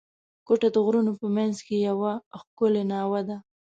کوټه د غرونو په منځ کښي یوه ښکلې ناوه ده.